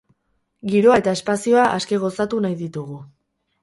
Giroa eta espazioa aske gozatu nahi ditugu.